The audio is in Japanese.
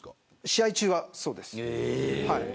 試合中はそうです。